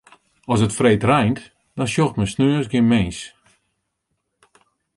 As it freeds reint, dan sjocht men sneons gjin mins.